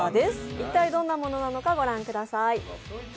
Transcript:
一体どんなものなのかご覧ください。